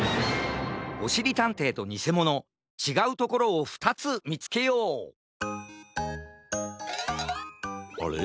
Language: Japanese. おしりたんていとにせものちがうところを２つみつけようあれ？